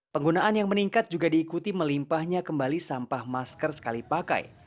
penggunaan yang meningkat juga diikuti melimpahnya kembali sampah masker sekali pakai